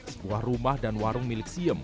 sebuah rumah dan warung milik siem